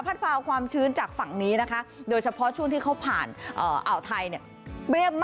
พาความชื้นจากฝั่งนี้นะคะโดยเฉพาะช่วงที่เขาผ่านอ่าวไทยเนี่ย